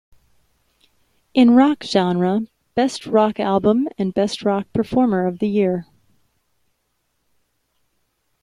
In Rock Genre : Best Rock Album and Best rock Performer of the Year.